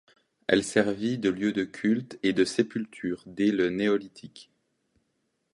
Elle servit de lieu de culte et de sépulture dès le Néolithique.